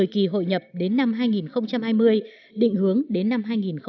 kỳ hội nhập đến năm hai nghìn hai mươi định hướng đến năm hai nghìn hai mươi năm